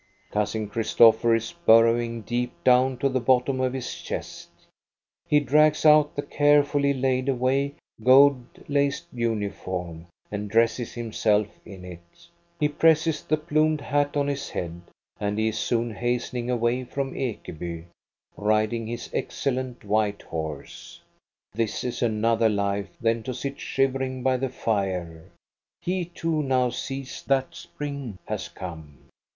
K Cousin Christopher is burrowing deep down to the ttom of his chest. He drags out the carefully laid 250 THE STORY OF GOSTA BERLING away gold laced uniform and dresses himself in it He presses the plumed hat on his head and he is soon hastening away from Ekeby, riding his excellent white horse. This is another life than to sit shivering by the fire ; he too now sees that spring has come.